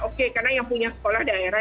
oke karena yang punya sekolah daerah